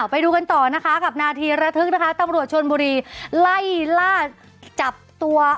ไปดูกันต่อนะคะกับนาทีระทึกนะคะตำรวจชนบุรีไล่ล่าจับตัว